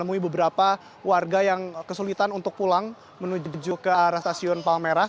tadi juga kami sempat menemui beberapa warga yang kesulitan untuk pulang menuju ke arah stasiun palmerah